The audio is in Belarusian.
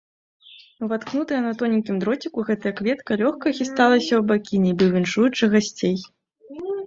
Уваткнутая на тоненькім дроціку, гэтая кветка лёгка хісталася ў бакі, нібы віншуючы гасцей.